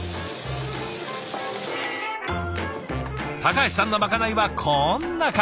橋さんのまかないはこんな感じ。